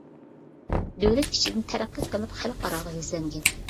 دۆلەت ئىچىدىن تەرەققىي قىلىپ خەلقئاراغا يۈزلەنگەن.